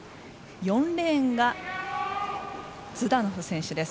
４レーンがズダノフ選手です。